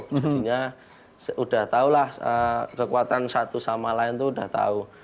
jadinya udah tahulah kekuatan satu sama lain itu sudah tahu